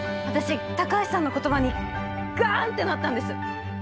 私高橋さんの言葉にガンってなったんです。